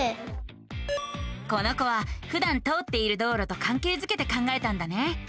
この子はふだん通っている道路とかんけいづけて考えたんだね。